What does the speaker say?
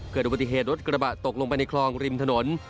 เกิดอุบัติเหตุรถกระบะตกลงไปในคลองริมถนน